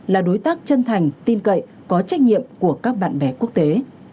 là đối tác chân thành tin cậy có trách nhiệm của các bạn bè quốc tế